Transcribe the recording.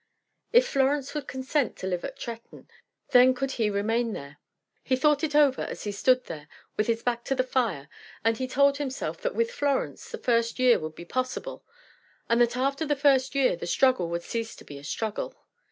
If Florence would consent to live at Tretton, then could he remain there. He thought it over as he stood there with his back to the fire, and he told himself that with Florence the first year would be possible, and that after the first year the struggle would cease to be a struggle.